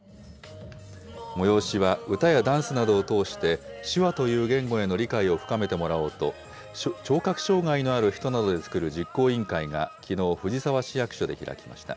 催しは歌やダンスなどを通して、手話という言語への理解を深めてもらおうと、聴覚障害のある人などで作る実行委員会が、きのう、藤沢市役所で開きました。